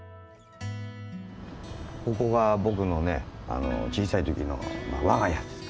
ここが僕のねあの小さい時の我が家ですか。